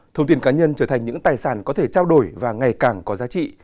thông tin cá nhân trở thành những tài sản có thể trao đổi và ngày càng có giá trị